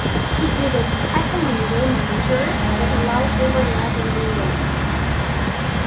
It used a stacking window manager that allowed overlapping windows.